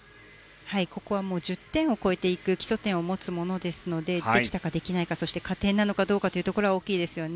ここは１０点を超えていく基礎点を持つものですのでできたか、できないかそして加点なのかどうかは大きいですよね。